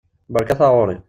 Beṛka taɣuṛi!